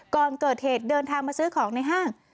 ก่อนเกิดเหตุเดินทางมาซื้อของในห้าง